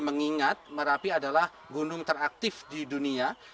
mengingat merapi adalah gunung teraktif di dunia